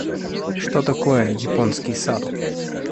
что такое японский сад,